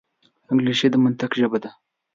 انګلیسي د منطق ژبه ده